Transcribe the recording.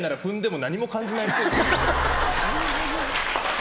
何？